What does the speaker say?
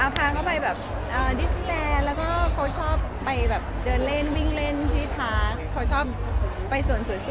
ค่ะพรีใหม่ก็คลึกเป็นพิเศษ